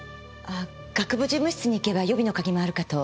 学部事務室に行けば予備の鍵もあるかと。